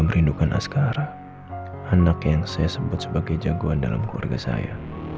merindukan askara anak yang saya sebut sebagai jagoan dalam keluarga saya